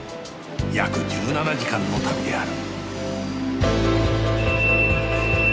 約１７時間の旅である